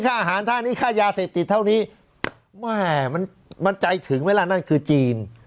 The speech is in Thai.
ค่าอาหารท่านี้ค่ายาเสพติดเท่านี้แม่มันมันใจถึงไหมล่ะนั่นคือจีน